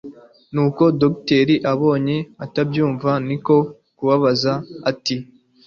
Nuko dogiteri abonye atabyumva niko kubabaza ati